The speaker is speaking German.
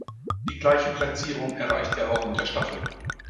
Die gleiche Platzierung erreichte er auch mit der Staffel.